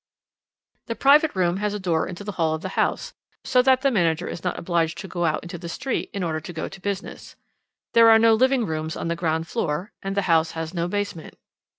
"The private room has a door into the hall of the house, so that the manager is not obliged to go out into the street in order to go to business. There are no living rooms on the ground floor, and the house has no basement.